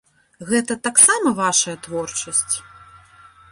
Гэта таксама вашая творчасць?